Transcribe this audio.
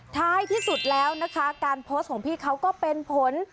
ท้ายที่สุดแล้วนะคะการโพสต์ของพี่เขาก็เป็นผล